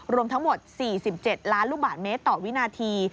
รวมทั้งหมด๔๗ล้านลูกบาทเมตรต่อวินาที